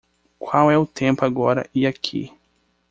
Qual é o tempo agora e aqui?